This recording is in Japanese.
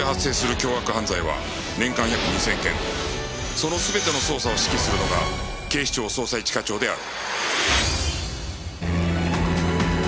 その全ての捜査を指揮するのが警視庁捜査一課長である